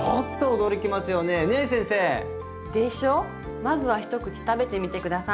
まずは一口食べてみて下さい。